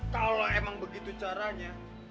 kalau emang begitu caranya